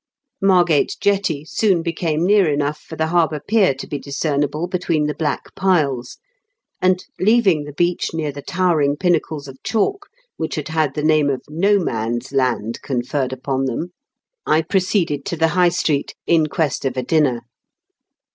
Margate jetty soon became near enough for the harbour pier to be discernible between the black piles, and, leaving the beach near the towering pinnacles of chalk which had had the name of No Man's Land conferred upon them, I proceeded to the High Street in quest of a 266 IN KENT WITH CEAELE8 DICKENS. dinner.